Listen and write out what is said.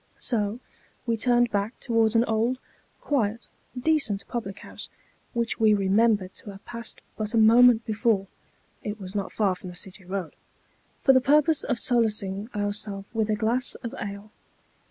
So, we turned back towards an old, quiet, decent public house, which we remembered to have passed but a moment before (it was not far from the City Eoad), for the purpose of solacing ourself with a glass of ale.